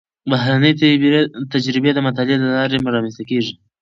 بهرنۍ تجربې د مطالعې له لارې رامنځته کېږي.